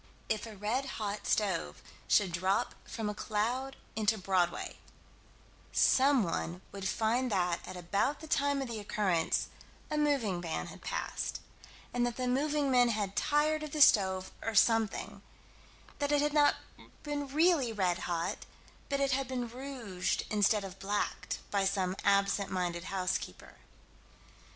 If a red hot stove should drop from a cloud into Broadway, someone would find that at about the time of the occurrence, a moving van had passed, and that the moving men had tired of the stove, or something that it had not been really red hot, but had been rouged instead of blacked, by some absent minded housekeeper.